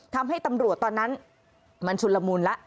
ทำให้ตำรวจตอนนั้นมันชุนละมุนแล้ว